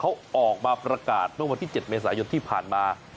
เขาออกมาประกาศเมื่อวันที่๗เมษายนที่ผ่านมา